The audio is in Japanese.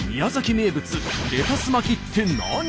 名物レタス巻って何？